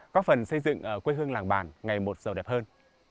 có phần xây dựng quê hương làng bản ngày một giàu đẹp hơn